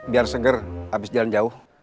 biar seger habis jalan jauh